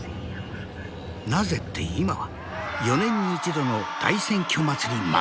なぜって今は４年に１度の大選挙祭り真っ最中。